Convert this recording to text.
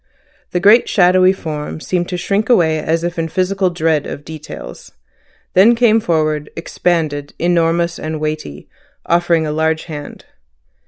The great shadowy form seemed to shrink away as if in physical dread of details; then came forward, expanded, enormous, and weighty, offering a large hand.